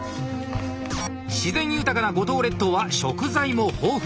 自然豊かな五島列島は食材も豊富。